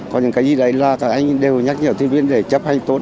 có những cái gì đấy là các anh đều nhắc nhở thuyền viên để chấp hành tốt